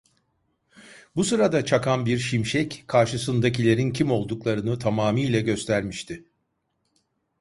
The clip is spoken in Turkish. Bu sırada çakan bir şimşek karşısındakilerin kim olduklarını tamamiyle göstermişti.